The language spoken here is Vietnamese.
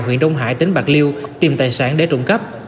huyện đông hải tỉnh bạc liêu tìm tài sản để trộm cắp